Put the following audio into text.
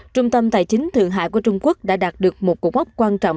trung tâm tài chính thượng hải của trung quốc đã đạt được một cuộc bóp quan trọng